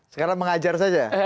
sekarang mengajar saja